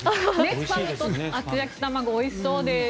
スパムと厚焼き玉子おいしそうです。